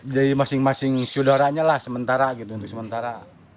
jadi masing masing sudaranya lah sementara